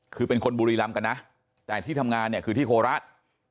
คือเป็นคนบุรีรำกันนะแต่ที่ทำงานเนี่ยคือที่โคราช